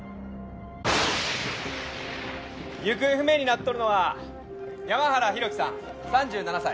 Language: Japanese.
行方不明になっとるのは山原浩喜さん３７歳。